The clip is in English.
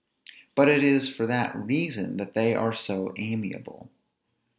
But it is for that reason that they are so amiable.